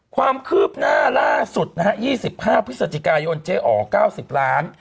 ความคืบหน้าล่าสุดนะฮะ๒๕พฤศจิกายนเจ๊อ๋อ๙๐ล้าน